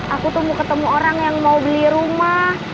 aku tumbuh ketemu orang yang mau beli rumah